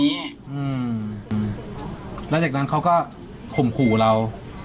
อืมแล้วจากนั้นเขาก็ข่มขู่เรา